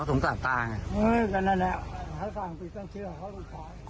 อื้อแบบนั้นแหละถ้าสั่งผิดต้องเชื่อเขาต้องขอ